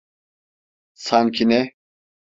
Sanki ne?